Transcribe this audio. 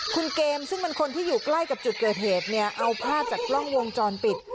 คุณเกมซึ่งเป็นคนที่อยู่ใกล้กับจุดเกิดเหตุเนี่ยเอาภาพจากกล้องวงจรปิด